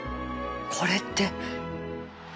これって